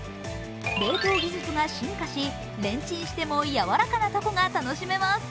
冷凍技術が進化しレンチンしても柔らかなたこが楽しめます。